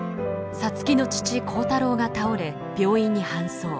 皐月の父耕太郎が倒れ病院に搬送。